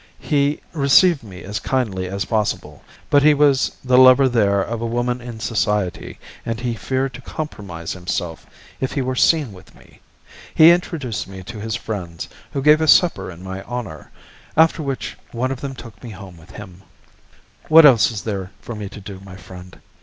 He received me as kindly as possible, but he was the lover there of a woman in society, and he feared to compromise himself if he were seen with me. He introduced me to his friends, who gave a supper in my honour, after which one of them took me home with him. What else was there for me to do, my friend?